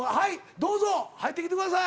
どうぞ入ってきてください。